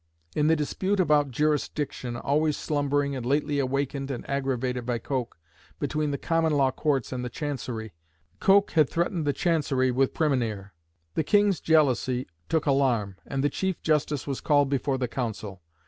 In the dispute about jurisdiction, always slumbering and lately awakened and aggravated by Coke, between the Common Law Courts and the Chancery, Coke had threatened the Chancery with Præmunire. The King's jealousy took alarm, and the Chief Justice was called before the Council.